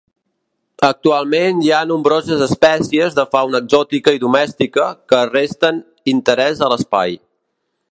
Actualment hi ha nombroses espècies de fauna exòtica i domèstica, que resten interès a l’espai.